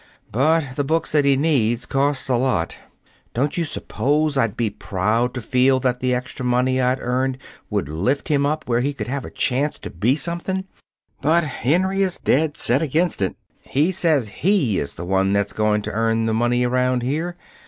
But the books that he needs cost a lot. Don't you suppose I'd be proud to feel that the extra money I'd earned would lift him up where he could have a chance to be something! But Henry is dead set against it. He says he is the one that's going to earn the money around here.